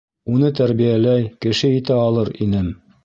Уны тәрбиәләй, кеше итә алыр инем...